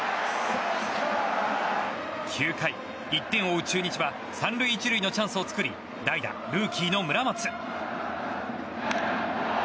９回、１点を追う中日は３塁１塁のチャンスを作り代打、ルーキーの村松。